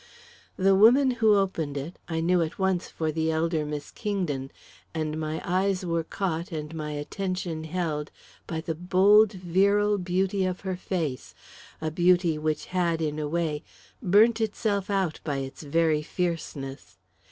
The woman who opened it, I knew at once for the elder Miss Kingdon, and my eyes were caught and my attention held by the bold, virile beauty of her face a beauty which had, in a way, burnt itself out by its very fierceness.